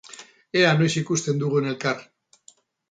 Ea noiz ikusten dugun elkar.